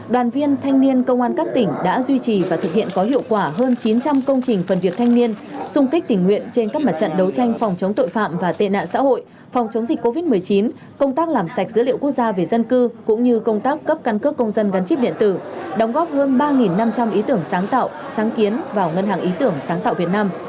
đoàn viên thanh niên công an các tỉnh đã duy trì và thực hiện có hiệu quả hơn chín trăm linh công trình phần việc thanh niên xung kích tình nguyện trên các mặt trận đấu tranh phòng chống tội phạm và tệ nạn xã hội phòng chống dịch covid một mươi chín công tác làm sạch dữ liệu quốc gia về dân cư cũng như công tác cấp căn cước công dân gắn chip điện tử đóng góp hơn ba năm trăm linh ý tưởng sáng tạo sáng kiến vào ngân hàng ý tưởng sáng tạo việt nam